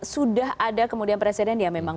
sudah ada kemudian presiden yang memang